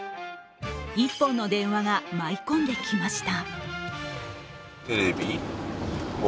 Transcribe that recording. １本の電話が舞い込んできました。